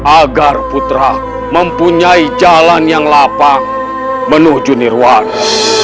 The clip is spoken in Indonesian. agar putra mempunyai jalan yang lapang menuju nirwan